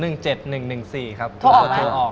ต้องโทรออกกับพี่ดีกว่า